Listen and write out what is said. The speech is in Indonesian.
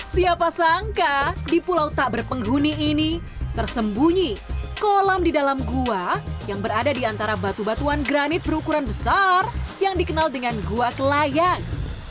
siapa sangka di pulau tak berpenghuni ini tersembunyi kolam di dalam gua yang berada di antara batu batuan granit berukuran besar yang dikenal dengan gua kelayang